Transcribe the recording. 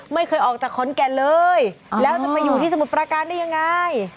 ไม่เคยออกจากขอนแก่นเลยแล้วจะไปอยู่ที่สมุทรประการได้ยังไง